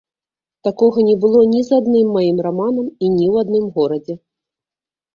Такога не было ні з адным маім раманам і ні ў адным горадзе.